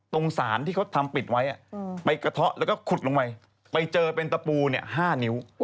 สารที่เขาทำปิดไว้ไปกระเทาะแล้วก็ขุดลงไปไปเจอเป็นตะปู๕นิ้ว